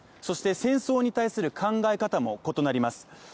そして戦争に対する考え方も異なります。